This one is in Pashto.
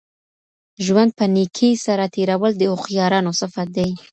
ژوند په نېکۍ سره تېرول د هوښیارانو صفت دی.